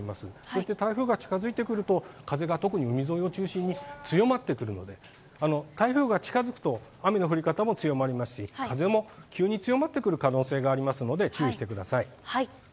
そして台風が近づいてくると、風が特に海沿いを中心に強まってくるので、台風が近づくと、雨の降り方も強まりますし、風も急に強まってくる可能性がありますので、注意してください。